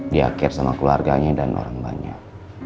diakhir sama keluarganya dan orang banyak